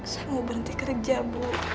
saya mau berhenti kerja bu